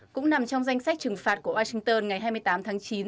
cũng nằm trong danh sách trừng phạt của washington ngày hai mươi tám tháng chín